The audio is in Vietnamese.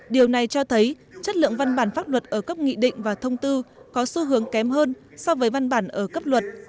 điều này cho thấy chất lượng văn bản pháp luật ở cấp nghị định và thông tư có xu hướng kém hơn so với văn bản ở cấp luật